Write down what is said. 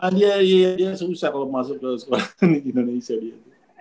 kalau masuk ke sekolah di indonesia